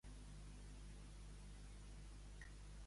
Què més li va oferir per a menjar, en Pau a la noia?